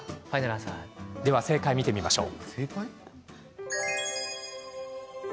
正解を見てみましょう。